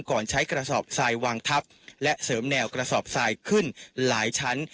ก่อนใช้กระสอบทรายวางทับและเสริมแนวกระสอบทรายขึ้นหลายชั้น